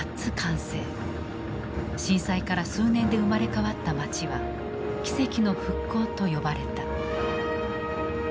震災から数年で生まれ変わった街は「奇跡の復興」と呼ばれた。